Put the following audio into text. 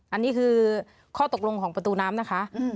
อันนี้คือข้อตกลงของประตูน้ำนะคะ